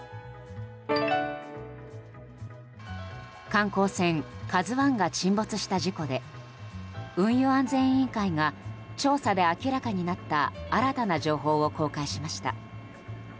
観光船「ＫＡＺＵ１」が沈没した事故で運輸安全委員会が調査で明らかになった新たな情報を公開しました。